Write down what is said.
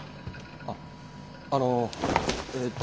ああのえっと。